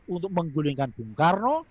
untuk menggunakan bung karno